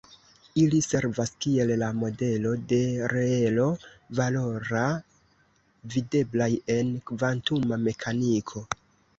Ili servas kiel la modelo de reelo-valora videblaj en kvantuma mekaniko.